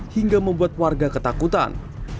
hingga membuat warga ketakutan